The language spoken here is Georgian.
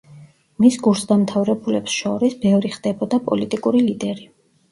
მის კურსდამთავრებულებს შორის ბევრი ხდებოდა პოლიტიკური ლიდერი.